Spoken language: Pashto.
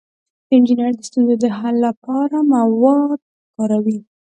انجینر د ستونزو د حل لپاره مواد کاروي.